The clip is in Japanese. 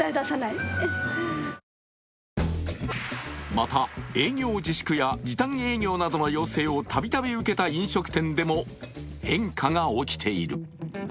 また、営業自粛や時短営業の要請をたびたび受けた飲食店でも変化が起きている。